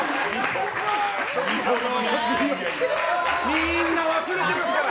みんな忘れてますから！